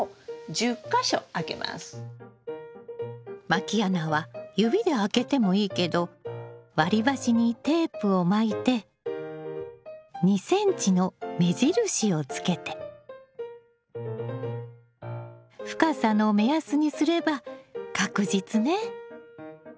まき穴は指で開けてもいいけど割り箸にテープを巻いて２ｃｍの目印をつけて深さの目安にすれば確実ね。